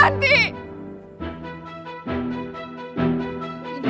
jangan pergi tanti